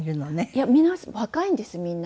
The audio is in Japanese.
いや若いんですみんな。